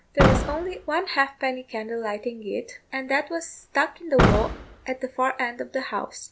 There was only one halfpenny candle lighting it, and that was stuck in the wall at the far end of the house.